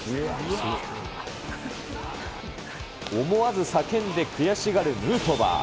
思わず叫んで悔しがるヌートバー。